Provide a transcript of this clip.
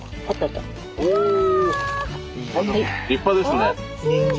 立派ですね。